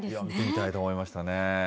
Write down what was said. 見たいと思いましたね。